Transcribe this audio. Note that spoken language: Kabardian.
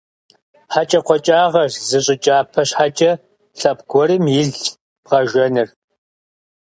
ХьэкӀэкхъуэкӀагъэщ зы щӀы кӀапэ щхьэкӀэ лъэпкъ гуэрым илъ бгъэжэныр.